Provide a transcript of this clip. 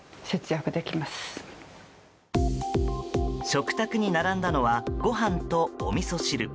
食卓に並んだのはご飯とおみそ汁。